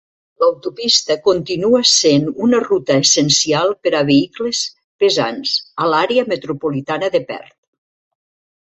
L'autopista continua sent una ruta essencial per a vehicles pesants a l'àrea metropolitana de Perth.